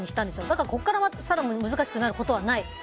だから、ここから更に難しくなることはない！